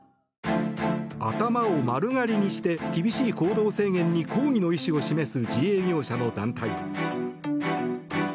頭を丸刈りにして厳しい行動制限に抗議の意思を示す自営業者の団体。